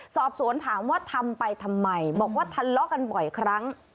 สอบสวนถามว่าทำไปทำไมบอกว่าทะเลาะกันบ่อยครั้ง